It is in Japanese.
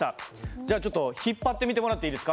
じゃあ引っ張ってみてもらっていいですか。